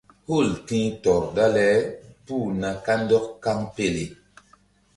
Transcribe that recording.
Hul ti̧h tɔr dale puh na kandɔk kaŋpele.